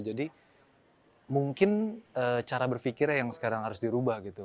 mungkin cara berpikirnya yang sekarang harus dirubah gitu